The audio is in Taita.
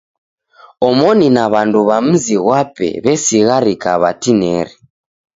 Omoni na w'andu w'a mzi ghwape w'esigharika w'atineri.